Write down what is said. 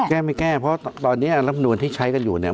แก้ไม่แก้เพราะตอนนี้รับนูลที่ใช้กันอยู่เนี่ย